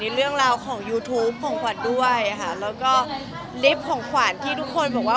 เรื่องราวของยูทูปของขวัญด้วยค่ะแล้วก็ลิฟต์ของขวัญที่ทุกคนบอกว่า